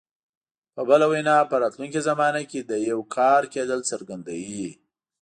په بله وینا په راتلونکي زمانه کې د یو کار کېدل څرګندوي.